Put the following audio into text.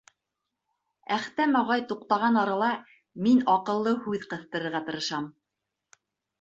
Әхтәм ағай туҡтаған арала, мин аҡыллы һүҙ ҡыҫтырырға тырышам: